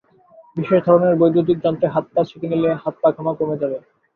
বিশেষ ধরনের বৈদ্যুতিক যন্ত্রে হাত-পা সেকে নিলে হাত-পা ঘামা কমে যাবে।